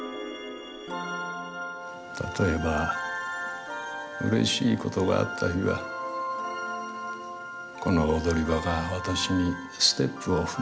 例えばうれしいことがあった日はこの踊り場が私にステップを踏ませてくれ。